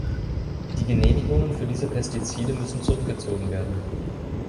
Die Genehmigungen für diese Pestizide müssen zurückgezogen werden.